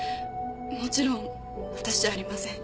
もちろん私じゃありません。